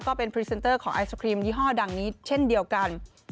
ก็เป็นพรีเซนเตอร์ของไอศครีมยี่ห้อดังนี้เช่นเดียวกัน